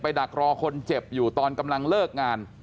ดักรอคนเจ็บอยู่ตอนกำลังเลิกงาน